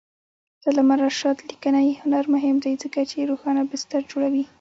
د علامه رشاد لیکنی هنر مهم دی ځکه چې روښانه بستر جوړوي.